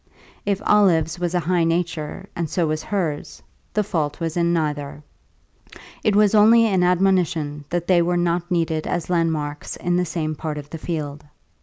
If Olive's was a high nature and so was hers, the fault was in neither; it was only an admonition that they were not needed as landmarks in the same part of the field.